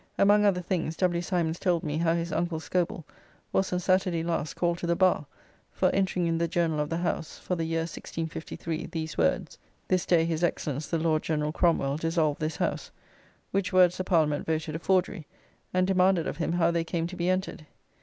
Among other things, W. Simons told me how his uncle Scobel was on Saturday last called to the bar, for entering in the journal of the House, for the year 1653, these words: "This day his Excellence the Lord General Cromwell dissolved this House;" which words the Parliament voted a forgery, and demanded of him how they came to be entered.